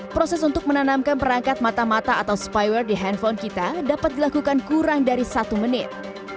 program perangkat mata mata atau spyware di handphone kita dapat dilakukan kurang dari satu menit